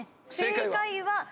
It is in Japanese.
正解は。